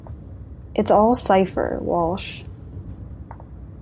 It's all cypher, Walsh.